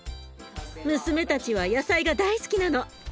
娘たちは野菜が大好きなの。